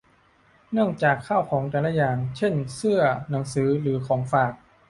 เนื่องจากข้าวของแต่ละอย่าง เช่น เสื้อ หนังสือ หรือของฝาก